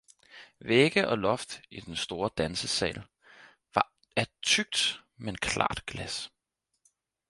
Vægge og loft i den store dansesal var af tykt men klart glas